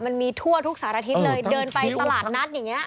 มันมีทั่วทุกสารทิศเลยเดินไปตลาดนัดอย่างนี้